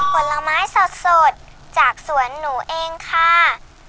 ผลไม้สดจากสวนหนูเองค่ะ